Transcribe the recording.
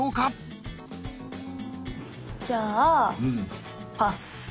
じゃあパス！